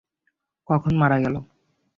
কখন মারা গেলো?